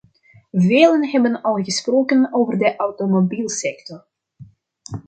Velen hebben al gesproken over de automobielsector.